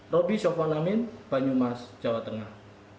roby sofwanamin banyumas jawa tengah